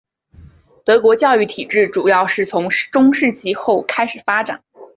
德国教育体制主要是从中世纪后开始发展。